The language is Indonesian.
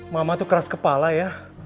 mama tuh keras kepala ya